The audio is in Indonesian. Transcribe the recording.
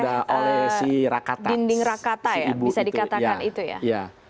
dinding rakata ya bisa dikatakan itu ya